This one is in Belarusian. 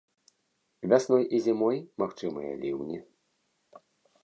Вясной і зімой магчымыя ліўні.